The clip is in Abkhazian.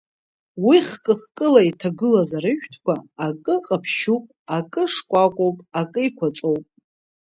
Уи хкы-хкыла иҭагылаз арыжәтәқәа, акы ҟаԥшьуп, акы шкәакәоуп, акы еиқәаҵәоуп.